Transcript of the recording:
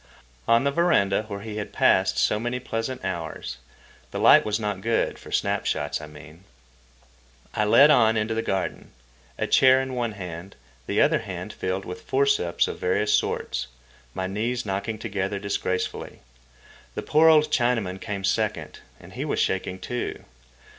On the veranda, where he had passed so many pleasant hours, the light was not good—for snapshots, I mean. I led on into the garden, a chair in one hand, the other hand filled with forceps of various sorts, my knees knocking together disgracefully. The poor old Chinaman came second, and he was shaking, too.